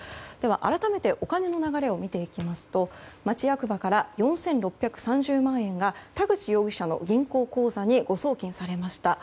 改めてお金の流れを見ると町役場から４６３０万円が田口容疑者の銀行口座に誤送金されました。